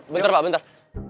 bentar pak bentar